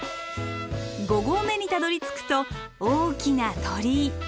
五合目にたどりつくと大きな鳥居。